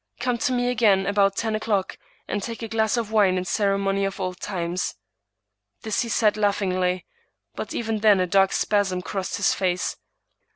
Come to me again about ten o'clock, and take a glass of wine in memory of old times." This he said laughingly; but even then a dark spasm crossed his face.